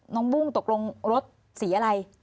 บุ้งตกลงรถสีอะไร